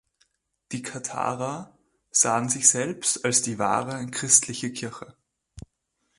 Die Katharer sahen sich selbst als die „wahre“ christliche Kirche.